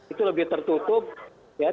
itu lebih tertutup ya